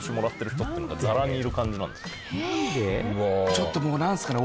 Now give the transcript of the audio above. ちょっともうなんですかね。